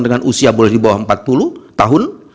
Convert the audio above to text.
dengan usia boleh di bawah empat puluh tahun